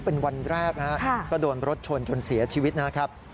เป็นวันแรกนะฮะก็โดนรถชนจนเสียชีวิตนะครับ